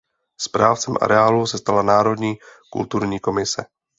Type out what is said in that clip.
Správcem areálu se stala Národní kulturní komise.